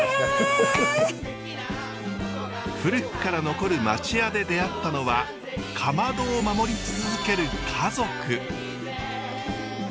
古くから残る町家で出会ったのはかまどを守り続ける家族。